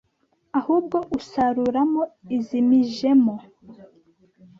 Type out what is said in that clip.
ahubwo usaruramo izimijejemo